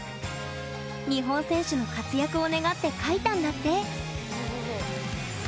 日本選手の活躍を願って描いたんだって。